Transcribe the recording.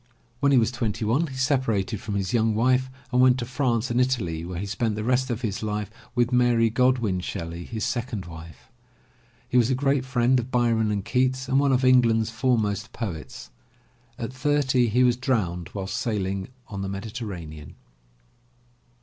When he was twenty one, he separated from his young wife and went to France and Italy where he spent the rest of his life with Mary Godwin Shelley, his second wife. He was a great friend of Byron and Keats and one of England's foremost poets. At thirty he was drowned while sailing on the Mediterranean.